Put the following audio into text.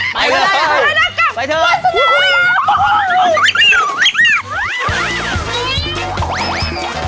ไปเลยมั้ยไปละกับวันสนามโอ้โฮมาเร็วไปเถอะ